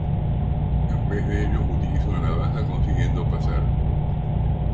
En vez de ello, utiliza una navaja, consiguiendo pasar.